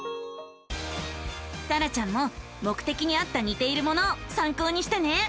さらちゃんももくてきにあったにているものをさんこうにしてね。